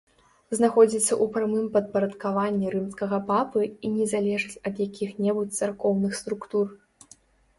Знаходзіцца ў прамым падпарадкаванні рымскага папы і не залежыць ад якіх-небудзь царкоўных структур.